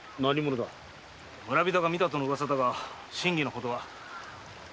村人が見たとの噂だが真偽のほどは。